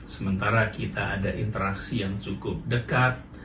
sementara kita ada interaksi yang cukup dekat